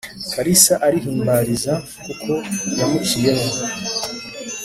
kalisa arihimbariza kuko yamuciyeho